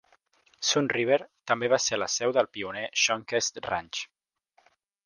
Sunriver també va ser la seu del pioner Shonquest Ranch.